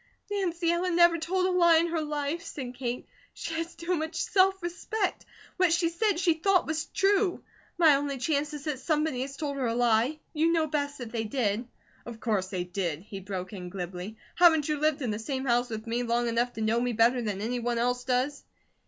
"Nancy Ellen never told a lie in her life," said Kate. "She has too much self respect. What she said she THOUGHT was true. My only chance is that somebody has told her a lie. You know best if they did." "Of course they did," he broke in, glibly. "Haven't you lived in the same house with me long enough to know me better than any one else does?"